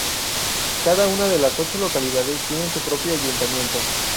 Cada una de las ocho localidades tiene su propio ayuntamiento.